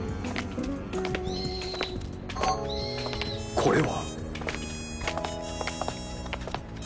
これは。